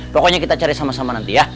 pokoknya kita cari sama sama nanti ya